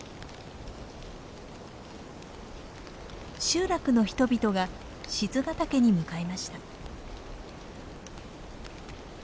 集落の人々が賤ヶ岳に向かいました。